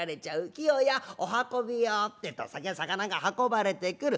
『キヨやお運びを』ってえと酒肴が運ばれてくる。